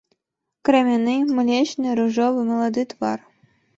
Крамяны, млечны, ружовы, малады твар.